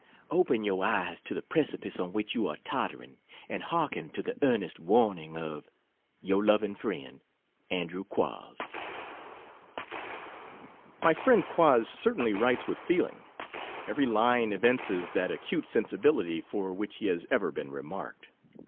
Open your eyes to the precipice on which you are tottering, and hearken to the earnest warning of Your loving friend, Andrew Quoz. My friend Quoz certainly writes with feel ing; every line evinces that acute sensibility for which he has ever been remarked.